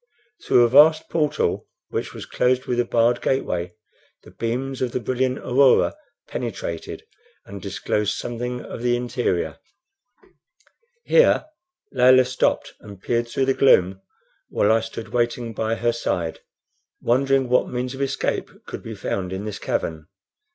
Through a vast portal, which was closed with a barred gateway, the beams of the brilliant aurora penetrated and disclosed something of the interior. Here Layelah stopped and peered through the gloom while I stood waiting by her side, wondering what means of escape could be found in this cavern.